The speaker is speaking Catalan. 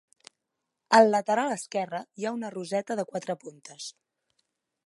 Al lateral esquerre hi ha una roseta de quatre puntes.